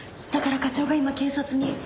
だから課長が今警察に。